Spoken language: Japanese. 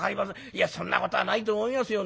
いやそんなことはないと思いますよ。